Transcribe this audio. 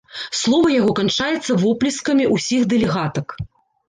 Слова яго канчаецца воплескамі ўсіх дэлегатак.